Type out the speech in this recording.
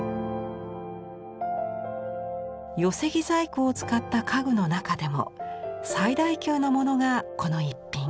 寄木細工を使った家具の中でも最大級のものがこの一品。